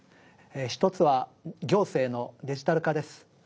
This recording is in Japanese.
一つは行政のデジタル化です。